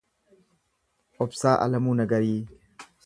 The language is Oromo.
Obsa Alamuu Nagarii